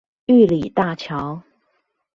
玉里大橋